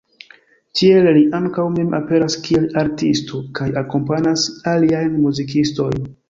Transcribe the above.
Tie li ankaŭ mem aperas kiel artisto kaj akompanas aliajn muzikistojn.